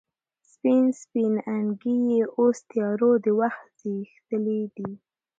سپین، سپین اننګي یې اوس تیارو د وخت زبیښلې دي